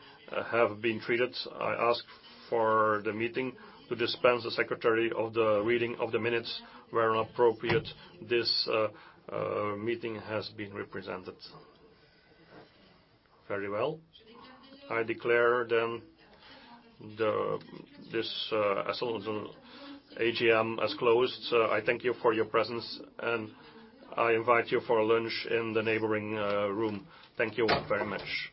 have been treated. I ask the meeting to dispense with the reading of the minutes where appropriate. Very well. I declare this assembly AGM as closed. I thank you for your presence, and I invite you for lunch in the neighboring room. Thank you all very much.